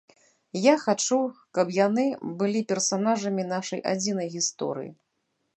Я хачу, каб яны былі персанажамі нашай адзінай гісторыі.